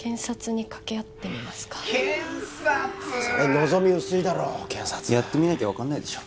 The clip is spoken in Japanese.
望み薄いだろやってみなきゃ分かんないでしょ